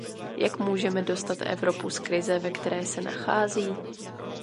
Jak můžeme dostat Evropu z krize, ve které se nachází?